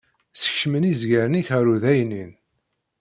Sekcem izgaren-ik ɣer udaynin.